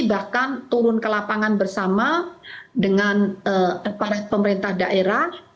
bahkan turun ke lapangan bersama dengan aparat pemerintah daerah